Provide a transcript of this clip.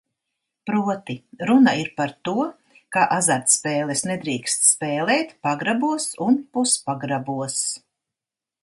Proti, runa ir par to, ka azartspēles nedrīkst spēlēt pagrabos un puspagrabos.